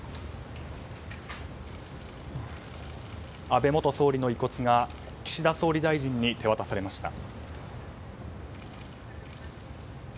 安倍元総理の遺骨が岸田総理大臣に手渡されました。